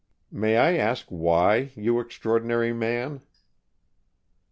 "May I ask why, you extraordinary man?"